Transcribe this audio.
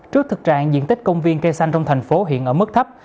trước thực trạng diện tích công viên cây xanh trong thành phố hiện ở mức thấp